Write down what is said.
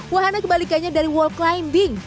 wahana kebalikannya dari wall climbing